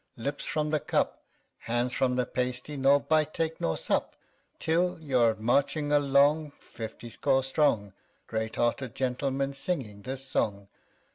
Lips from the cup, Hands from the pasty, nor bite take nor sup. 10 Till you're CHORUS. Marching along, fifty score strong, _Great hearted gentlemen, singing this song.